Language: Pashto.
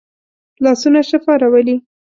لاسونه شفا راولي